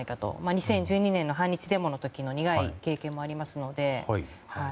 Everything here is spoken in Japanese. ２０１２年の反日デモの時の苦い経験もありますので。